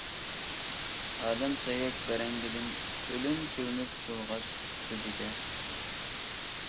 ئادەم سەگەك بەرەڭگىدىن ئۆلۈم كۆرۈنۈپ تۇرغاچ كۆزىگە.